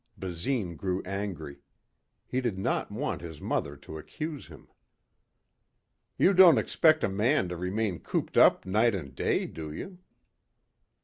Basine grew angry. He did not want his mother to accuse him. "You don't expect a man to remain cooped up night and day, do you?"